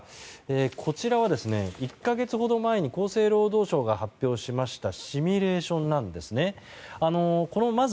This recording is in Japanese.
こちらは１か月ほど前に厚生労働省が発表しましたシミュレーションなんですね。